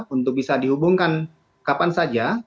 untuk bisa dihubungkan kapan saja